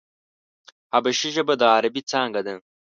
حبشي ژبه د عربي څانگه ده.